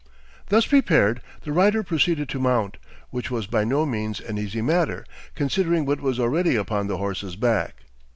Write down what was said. Thus prepared, the rider proceeded to mount, which was by no means an easy matter, considering what was already upon the horse's back.